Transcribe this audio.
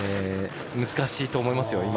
難しいと思いますよ